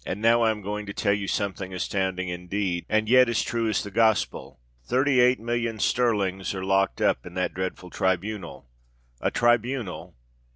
now I am going to tell you something astounding indeed—and yet as true as the Gospel! Thirty eight millions sterling are locked up in that dreadful tribunal. A tribunal!